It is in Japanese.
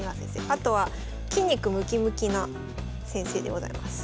あとは筋肉ムキムキな先生でございます。